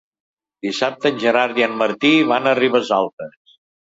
Dissabte en Gerard i en Martí van a Ribesalbes.